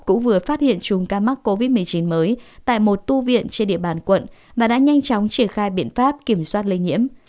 cũng vừa phát hiện chùm ca mắc covid một mươi chín mới tại một tu viện trên địa bàn quận và đã nhanh chóng triển khai biện pháp kiểm soát lây nhiễm